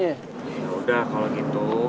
ya udah kalau gitu